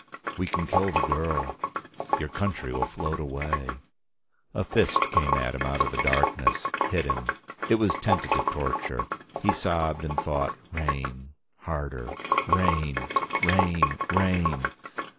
"We can kill the girl." "Your country will float away." A fist came at him out of the darkness. Hit him. It was tentative torture. He sobbed and thought: rain, harder. Rain, rain, rain